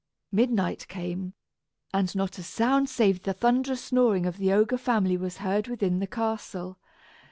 Midnight came, and not a sound save the thunderous snoring of the ogre family was heard within the castle.